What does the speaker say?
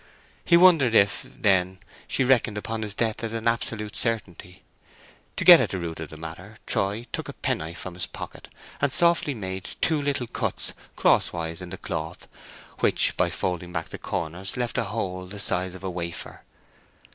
He wondered if, then, she reckoned upon his death as an absolute certainty. To get at the root of the matter, Troy took a penknife from his pocket and softly made two little cuts crosswise in the cloth, which, by folding back the corners left a hole the size of a wafer.